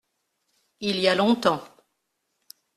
Il y a longtemps.